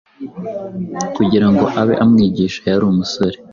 kugira ngo abe umwigisha yari umusore